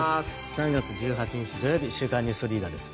３月１８日、土曜日「週刊ニュースリーダー」です。